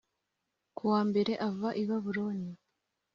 ku wa mbere ava i babuloni